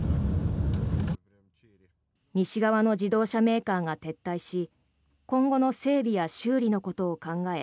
西側の自動車メーカーが撤退し今後の整備や修理のことを考え